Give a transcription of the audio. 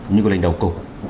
như của lãnh đạo cục